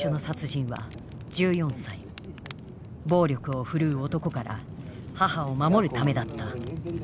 暴力を振るう男から母を守るためだった。